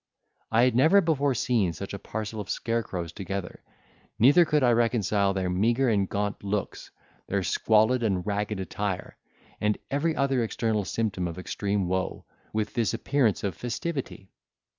I had never before seen such a parcel of scarecrows together, neither could I reconcile their meagre and gaunt looks, their squalid and ragged attire, and every other external symptom of extreme woe, with this appearance of festivity.